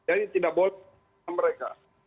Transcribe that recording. jadi tidak buat sama mereka